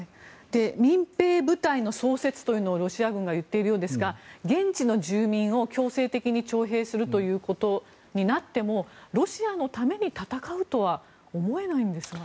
民兵部隊の創設というのをロシア軍がいっているようですが現地の住民を強制的に徴兵するということになってもロシアのために戦うとは思えないんですが。